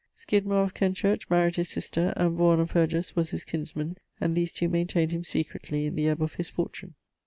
Skydmore of Kenchurch married his sister, and ... Vaughan of Hergest was his kinsman; and these two mayntayned him secretly in the ebbe of his fortune.